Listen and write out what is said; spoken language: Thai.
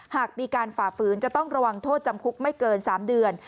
หากมีการฝ่าฝืนจะต้องระวังโทษจำคุกไม่เกิน๓เดือน